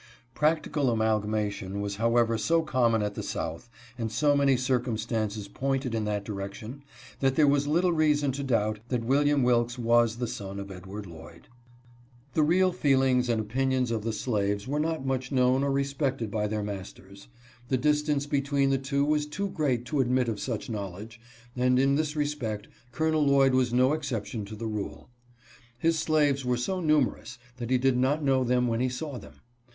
Practical amalgamation was how ever so common at the South, and so many circumstances pointed in that direction, that there was little reason to doubt that William Wilks was the son of Edward Lloyd. The real feelings and opinions of the slaves were not/ much known or respected by their masters. The distance/ between the two was too great to admit of such knowl edge, and in this respect Col. Lloyd was no exception to the rule. His slaves were so numerous that he did not know them when he saw them.